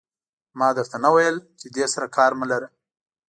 ما در ته نه ویل چې دې سره کار مه لره.